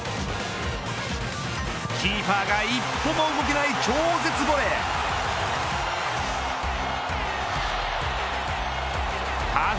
キーパーが一歩も動けない超絶ボレー。